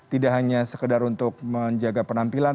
tidak hanya sekedar untuk menjaga penampilan